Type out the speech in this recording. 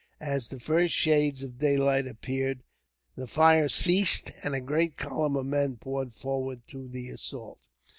As the first shades of daylight appeared the fire ceased, and a great column of men poured forward to the assault.